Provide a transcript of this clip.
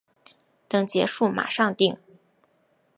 等结束马上订